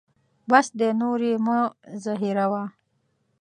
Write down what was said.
بس دی نور یې مه زهیروه.